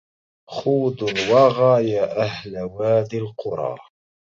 خوضوا الوغى يا أهل وادي القرى